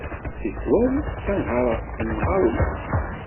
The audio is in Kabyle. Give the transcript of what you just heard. Tikkewal ttenhareɣ s temɣawla.